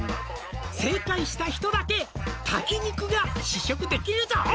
「正解した人だけ炊き肉が試食できるぞ」